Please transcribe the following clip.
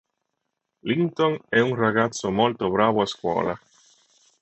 Linton è un ragazzo molto bravo a scuola.